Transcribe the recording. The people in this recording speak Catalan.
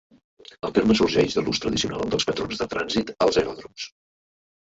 El terme sorgeix de l'ús tradicional dels patrons de trànsit als aeròdroms.